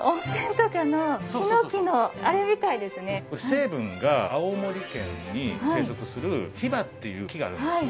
成分が青森県に生息するヒバっていう木があるんです。